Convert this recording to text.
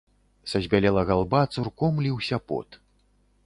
Са збялелага лба цурком ліўся пот.